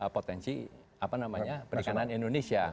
potensi apa namanya perikanan indonesia